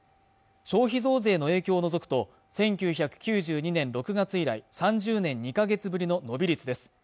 消費増税の影響を除くと１９９２年６月以来３０年２カ月ぶりの伸び率です